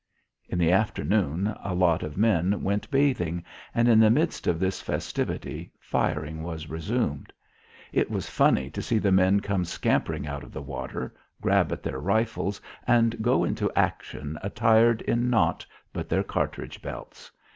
In the afternoon a lot of men went bathing, and in the midst of this festivity firing was resumed. It was funny to see the men come scampering out of the water, grab at their rifles and go into action attired in nought but their cartridge belts.